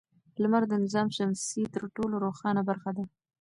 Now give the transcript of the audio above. لمر د نظام شمسي تر ټولو روښانه برخه ده.